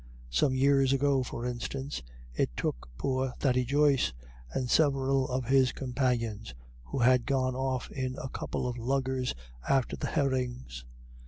Some years ago, for instance, it took poor Thady Joyce and several of his companions, who had gone off in a couple of luggers after the herrings.